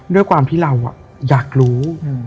ด้วยความที่เราอยากรู้